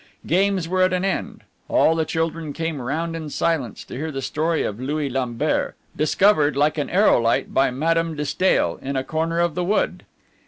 Games were at an end. All the children came round in silence to hear the story of Louis Lambert, discovered, like an aerolite, by Madame de Stael, in a corner of the wood.